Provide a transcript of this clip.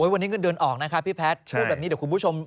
วันนี้เงินเดือนออกนะคะพี่แพทย์พูดแบบนี้เดี๋ยวคุณผู้ชม